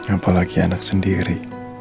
apalagi anak sendiri